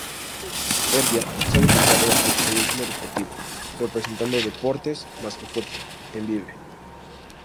Hevia se ha dedicado al periodismo deportivo, presentando "Deportes más que fútbol" en Vive!